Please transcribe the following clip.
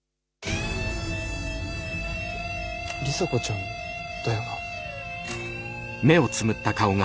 里紗子ちゃんだよな。